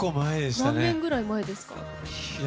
何年ぐらい前でした？